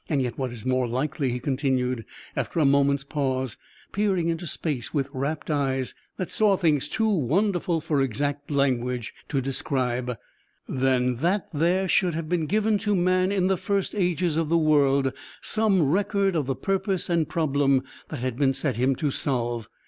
"Yet what is more likely," he continued after a moment's pause, peering into space with rapt eyes that saw things too wonderful for exact language to describe, "than that there should have been given to man in the first ages of the world some record of the purpose and problem that had been set him to solve?